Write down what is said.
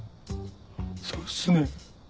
そうっすね。